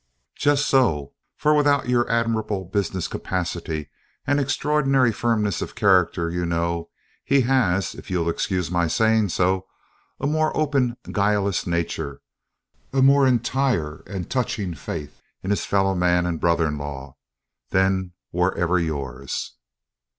"Just so; for, without your admirable business capacity and extraordinary firmness of character, you know, he has, if you'll excuse my saying so, a more open guileless nature, a more entire and touching faith in his fellow man and brother in law, than were ever yours."